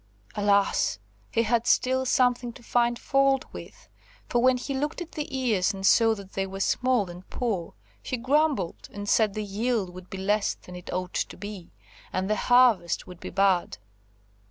Alas! he had still something to find fault with, for when he looked at the ears and saw that they were small and poor, he grumbled, and said the yield would be less than it ought to be, and the harvest would be bad.